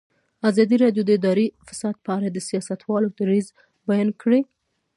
ازادي راډیو د اداري فساد په اړه د سیاستوالو دریځ بیان کړی.